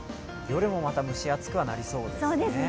夜もまた蒸し暑くはなりそうですね。